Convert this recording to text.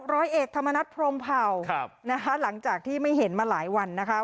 ร้อยเอกธรรมนัฐพรมเผ่านะคะหลังจากที่ไม่เห็นมาหลายวันนะคะ